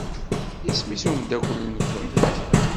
Isem-is umeddakel-nkent?